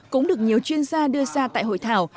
cũng được nhiều chuyên gia đưa ra tại hội thảo